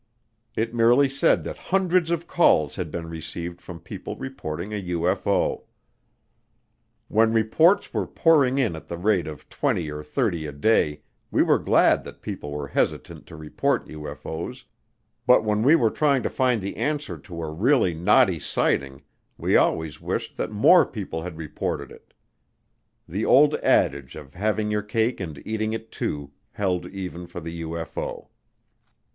It merely said that hundreds of calls had been received from people reporting a UFO. When reports were pouring in at the rate of twenty or thirty a day, we were glad that people were hesitant to report UFO's, but when we were trying to find the answer to a really knotty sighting we always wished that more people had reported it. The old adage of having your cake and eating it, too, held even for the UFO.